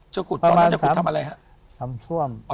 เจ้าขุดตอนนั้นจะขุดทำอะไรฮะ